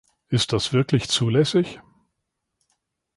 Ist das wirklich zulässig?